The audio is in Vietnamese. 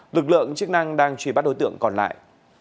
lực lượng chức năng đang truy bắt đối tượng còn lại